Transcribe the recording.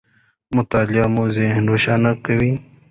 مطالعه مو ذهن روښانه کوي.